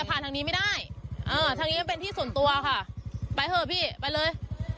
อ่าทางนี้เป็นที่ส่วนตัวค่ะไปเถอะพี่ไปเลย